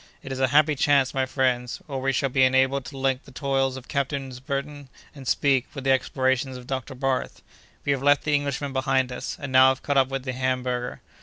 It is a happy chance, my friends, for we shall be enabled to link the toils of Captains Burton and Speke with the explorations of Dr. Barth. We have left the Englishmen behind us, and now have caught up with the Hamburger.